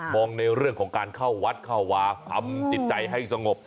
ในเรื่องของการเข้าวัดเข้าวาทำจิตใจให้สงบ